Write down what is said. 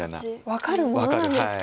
分かるものなんですか？